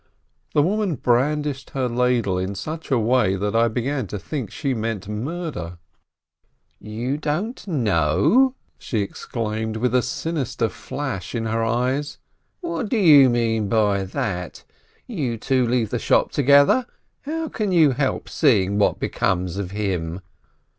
The woman brandished her ladle in such a way that I began to think she meant murder. "You don't know?" she exclaimed with a sinister flash in her eyes. "What do you mean by that? Don't you two leave the shop together? How can you help seeing what becomes of him?"